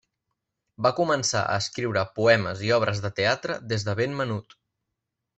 Va començar a escriure poemes i obres de teatre des de ben menut.